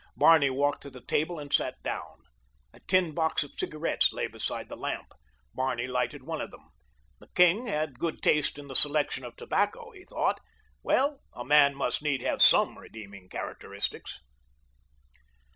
Barney walked to the table and sat down. A tin box of cigarettes lay beside the lamp. Barney lighted one of them. The king had good taste in the selection of tobacco, he thought. Well, a man must need have some redeeming characteristics.